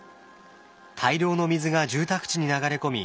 大量の水が住宅地に流れ込み